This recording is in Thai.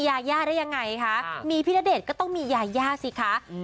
ยาย่าได้ยังไงคะมีพี่ณเดชน์ก็ต้องมียายาสิคะอืม